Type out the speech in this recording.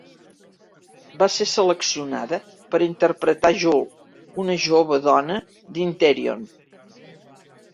Va ser seleccionada per interpretar Jool, una jove dona d'Interion.